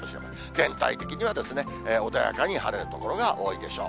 全体的には穏やかに晴れる所が多いでしょう。